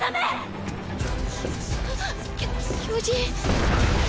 きょ巨人。